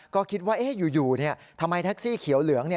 ก็คิดว่าอยู่ทำไมแท็กซี่เขียวเหลือง